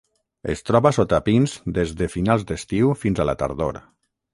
Es troba sota pins des de finals d'estiu fins a la tardor.